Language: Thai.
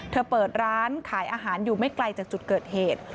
เปิดร้านขายอาหารอยู่ไม่ไกลจากจุดเกิดเหตุ